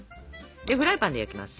でフライパンで焼きます。